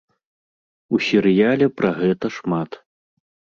У серыяле пра гэта шмат.